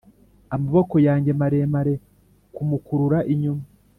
amaboko yanjye maremare kumukurura inyuma.